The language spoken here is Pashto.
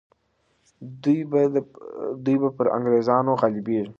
دوی به پر انګریزانو غالبیږي.